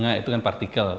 jadi itu adalah yang terakhir